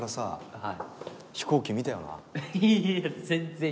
はい。